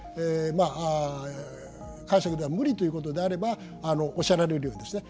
まあ解釈では無理ということであればあのおっしゃられるようにですね